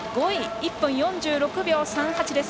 １分４６秒３８です。